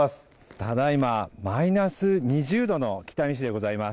ただいま、マイナス２０度の北見市でございます。